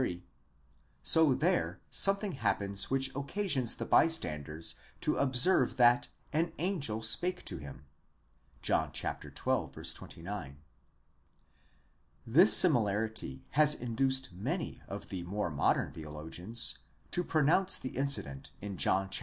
43) : so there something happens which occasions the bystanders to observe that az angel spake to him, ἄγγελος αὐτῷ λελάληκεν (John xii. 29). This similarity has induced many of the more modern theo logians to pronounce the incident in John xii.